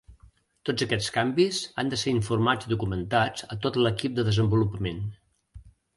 Tots aquests canvis han de ser informats i documentats a tot l'equip de desenvolupament.